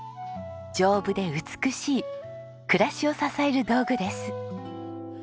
丈夫で美しい暮らしを支える道具です。